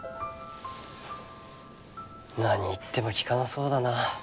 何言っても聞かなそうだな。